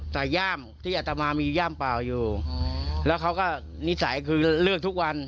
แต่ย่ามที่อัตมามีย่ามเปล่าอยู่แล้วเขาก็นิสัยคือเลือกทุกวัน